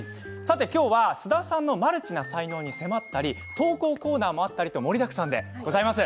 きょうは菅田さんのマルチな才能に迫ったり投稿コーナーもあったりと盛りだくさんです。